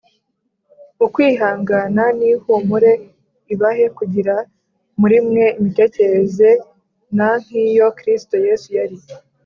Ukwihangana n ihumure ibahe kugira muri mwe imitekerereze n nk iyo kristo yesu yari